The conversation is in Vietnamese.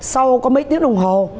sau có mấy tiếng đồng hồ